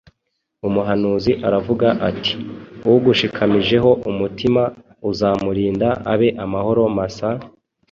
Umuhanuzi aravuga ati : “Ugushikamijeho umutima uzamurinda abe amahoro masa,